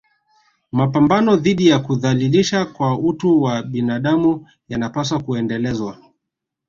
Mapambano dhidi ya kudhalilishwa kwa utu wa binadamu yanapaswa kuendelezwa